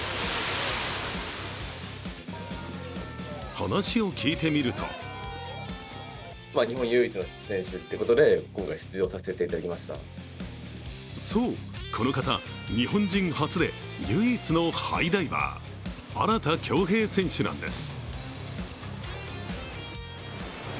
話を聞いてみるとそう、この方日本人初で唯一のハイダイバー荒田恭兵選手なんです。